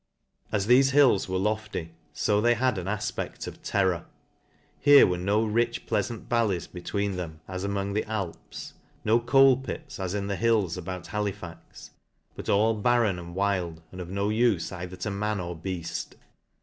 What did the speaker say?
As thefe hills were lofty, fo they had an afpecl of terror. Here were no rich pleafant valleys between them, as among t he Alp$\ no coal pits, as in the hills. about Halifax \ but all barren and wild, and of no ufe either to man or beaft.